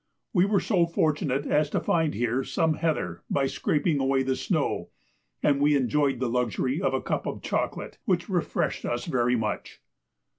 We were so fortunate as to find here some heather by scraping away the snow, and we enjoyed the luxury of a cup of chocolate, which refreshed us very much.